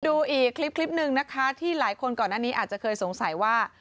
ดูอีกคลิปหนึ่งนะคะที่หลายคนก่อนหน้านี้อาจจะเคยสงสัยว่า